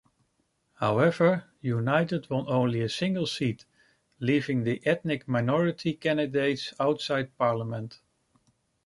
However, United won only a single seat, leaving the Ethnic Minority candidates outside Parliament.